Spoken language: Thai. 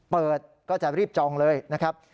เปิดก็จะรีบจองเลยนะครับ